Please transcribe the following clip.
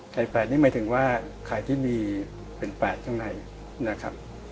ไข่แปดนี่หมายถึงว่าไข่ที่มีเป็นแปดข้างในนะครับ